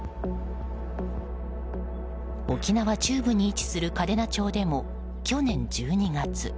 沖縄中部に位置する嘉手納町でも去年１２月。